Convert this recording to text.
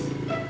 teman kang mus